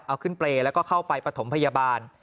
เอาขึ้นเปรย์แล้วก็เข้าไปปฐมพยาบาล